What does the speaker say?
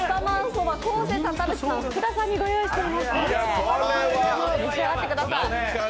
昴生さん、田渕さん、福田さんにご用意していますので、召し上がってください。